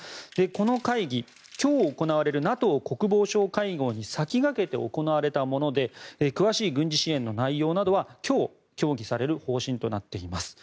この会議、今日行われるＮＡＴＯ国防相会合に先駆けて行われたもので詳しい軍事支援の内容などは今日、協議される方針となっています。